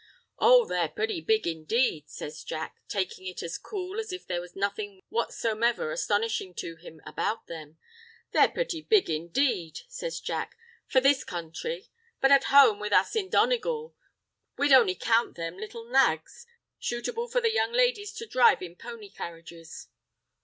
"Oh, they're purty big, indeed," says Jack, takin' it as cool as if there was nothin' whatsomever astonishin' to him about them. "They're purty big, indeed," says Jack, "for this counthry. But at home with us in Donegal we'd only count them little nags, shootable for the young ladies to dhrive in pony carriages."